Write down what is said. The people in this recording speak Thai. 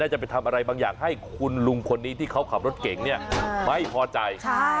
จะไปทำอะไรบางอย่างให้คุณลุงคนนี้ที่เขาขับรถเก่งเนี่ยไม่พอใจ